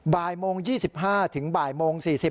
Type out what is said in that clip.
บ่ายโมง๒๕ถึงบ่ายโมง๔๐